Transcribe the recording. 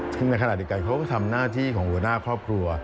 ซึ่งในขณะเด็กเขาก็ทำหน้าที่ของอุณหาครอบครัว